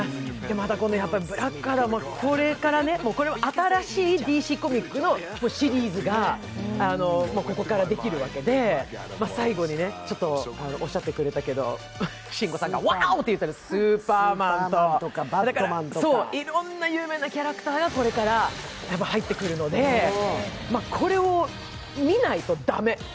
またこの「ブラックアダム」、新しいＤＣコミックのシリーズがここからできるわけで最後におっしゃってくれたけど慎吾さんがワーオって言った、バットマンとかスーパーマンとかいろんな有名なキャラクターがこれから入ってくるので、これを見ないと駄目。